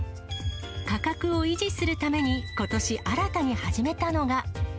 価格を維持するために、ことし新たに始めたのが。